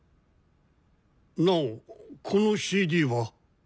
ナオこのＣＤは。